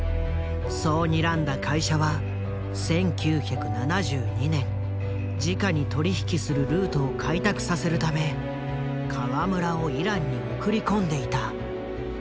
そうにらんだ会社は１９７２年じかに取り引きするルートを開拓させるため河村をイランに送り込んでいた。